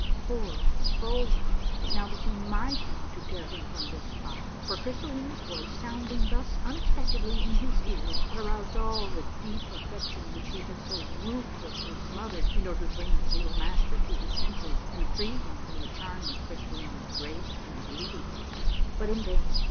Poor Bulger ! It now became my turn to tear him from this A MARVELLOUS UNDERGROUND JOURNEY 89 spot, for Ciystallina's voice, sounding thus unexpectedly in his ears, had aroused all the deep affection which he had so ruth lessly smothered in order to bring his little master to his senses and free him from the charm of Ciystallina's grace and beauty. But in vain.